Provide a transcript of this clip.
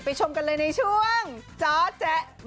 ไปชมกันเลยในช่วงจอร์ดแจะ